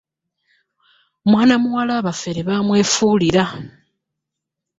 Mwana muwala abafere bamwefu ira .